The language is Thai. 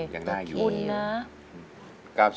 ยังน่าอยู่นะ